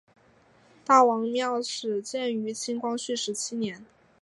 大王庙始建于清光绪十七年。